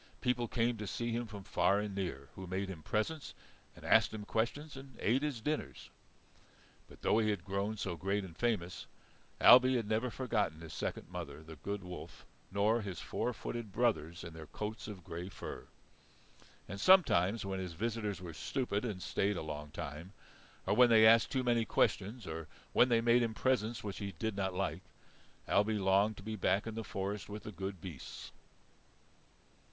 People came to see him from far and near, who made him presents, and asked him questions, and ate his dinners. But though he had grown so great and famous, Ailbe had never forgotten his second mother, the good wolf, nor his four footed brothers in their coats of grey fur. And sometimes when his visitors were stupid and stayed a long time, or when they asked too many questions, or when they made him presents which he did not like, Ailbe longed to be back in the forest with the good beasts.